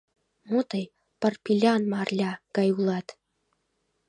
— Мо тый Парпилян Марля гай улат?